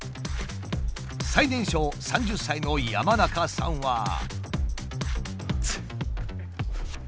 最年少３０歳の山中さんは。